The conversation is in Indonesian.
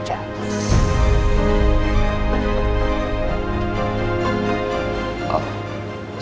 sebenarnya apa yang om ini cakap